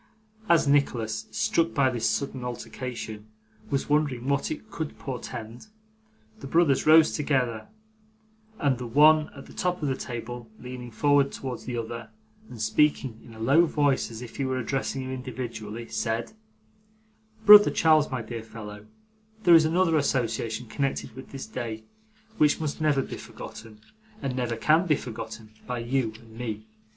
As Nicholas, struck by this sudden alteration, was wondering what it could portend, the brothers rose together, and the one at the top of the table leaning forward towards the other, and speaking in a low voice as if he were addressing him individually, said: 'Brother Charles, my dear fellow, there is another association connected with this day which must never be forgotten, and never can be forgotten, by you and me.